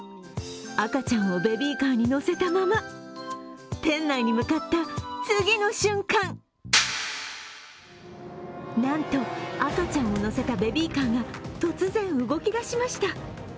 赤ちゃんをベビーカーに乗せたまま、店内に向かった次の瞬間なんと、赤ちゃんを乗せたベビーカーが突然、動き出しました。